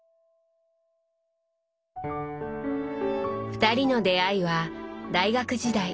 ２人の出会いは大学時代。